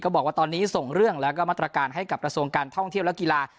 บอกว่าตอนนี้ส่งเรื่องแล้วก็มาตรการให้กับกระทรวงการท่องเที่ยวและกีฬา